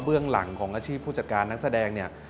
เบื้องหลังของอาชีพผู้จัดการนักแสดงนี่